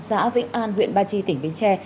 xã vĩnh an huyện ba chi tỉnh bình tre